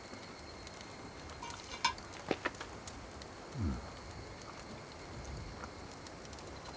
うん。